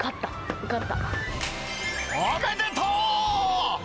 おめでとう！